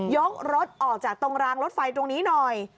ยกรถออกจากตรงรางรถไฟตรงนี้หน่อย